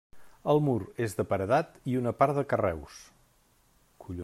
El mur és de paredat i una part de carreus.